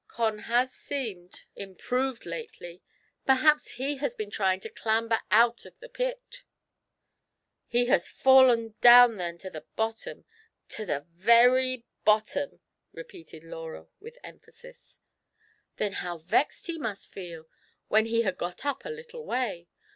Con has seemed improved 134 THE PLEASURE EXCURSION. lately ; perhaps he has been trying to clamber out of the pit" He has fallen down then to the bottom, to the very bottom^'* repeated Laura^ with emphasis. " Then how vexed he must feel, when he had got up a little way